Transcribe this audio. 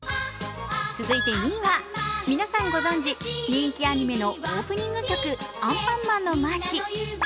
続い２位は皆さんご存じ、人気アニメのオープニング曲「アンパンマンのマーチ」。